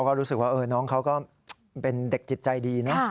ก็รู้สึกว่าน้องเขาก็เป็นเด็กจิตใจดีนะ